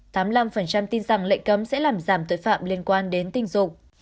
tám mươi năm tin rằng lệnh cấm sẽ làm giảm tội phạm liên quan đến tình dục